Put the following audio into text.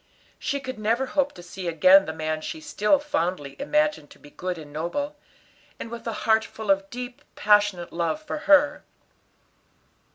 She could never hope to see again the man she still fondly imagined to be good and noble, and with a heart full of deep, passionate love for her.